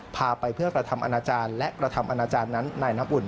พาไปเพื่อกระทำอนาจารย์และกระทำอนาจารย์นั้นนายน้ำอุ่น